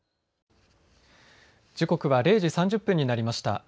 時刻は０時３０分になりました。